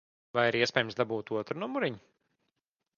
Vai ir iespējams dabūt otru numuriņu?